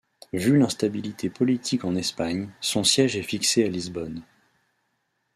Vu l'instabilité politique en Espagne, son siège est fixé à Lisbonne.